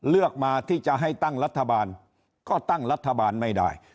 เลือกมาที่จะให้ตั้งรัฐบาลก็ตั้งรัฐบาลไม่ได้